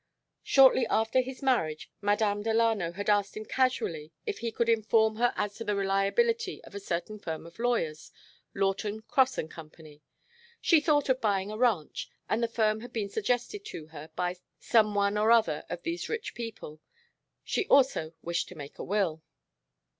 Shortly after his marriage Madame Delano had asked him casually if he could inform her as to the reliability of a certain firm of lawyers, Lawton, Cross and Co. She "thought of buying a ranch," and the firm had been suggested to her by some one or other of these rich people. She also wished to make a will.